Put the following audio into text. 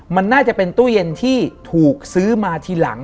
มันน่าจะเป็นตู้เย็นที่ถูกซื้อมาทีหลัง